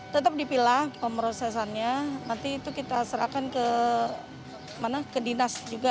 tetap dipilah pemrosesannya nanti itu kita serahkan ke dinas juga